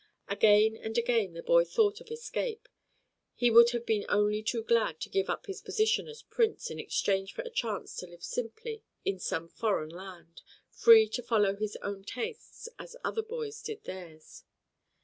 Again and again the boy thought of escape; he would have been only too glad to give up his position as Prince in exchange for the chance to live simply in some foreign land, free to follow his own tastes as other boys did theirs.